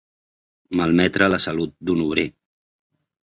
Malmetre la salut d'un obrer.